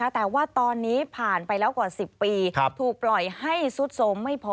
แต่ว่าตอนนี้ผ่านไปแล้วกว่า๑๐ปีถูกปล่อยให้สุดโสมไม่พอ